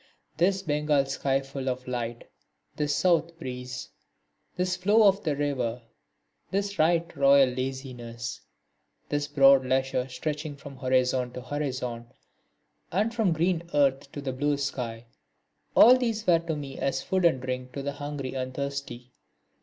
This Bengal sky full of light, this south breeze, this flow of the river, this right royal laziness, this broad leisure stretching from horizon to horizon and from green earth to blue sky, all these were to me as food and drink to the hungry and thirsty.